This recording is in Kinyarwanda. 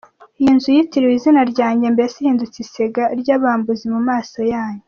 Iyi nzu yitiriwe izina ryanjye, mbese ihindutse isenga ry’abambuzi mu maso yanyu?